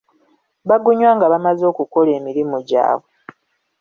Bagunywa nga bamaze okukola emirimu gyabwe.